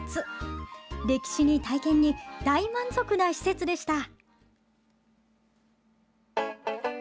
歴史に体験に大満足な施設でした。